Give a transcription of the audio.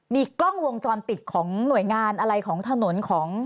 มีกล้องวงจรปิดของหน่วยงานอะไรของถนนของ